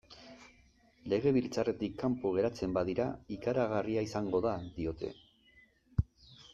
Legebiltzarretik kanpo geratzen badira, ikaragarria izango da, diote.